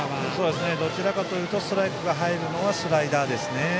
どちらかというとストライクが入るのはスライダーですね。